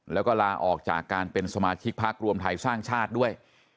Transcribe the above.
แล้วก็ลาออกจากการเป็นสมาชิกพักรวมไทยสร้างชาติด้วย